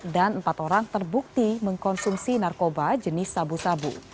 dan empat orang terbukti mengkonsumsi narkoba jenis sabu sabu